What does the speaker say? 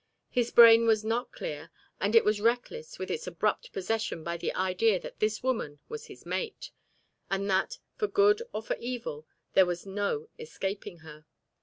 His brain was not clear, and it was reckless with its abrupt possession by the idea that this woman was his mate, and that, for good or for evil, there was no escaping her.